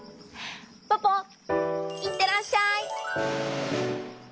ポポいってらっしゃい！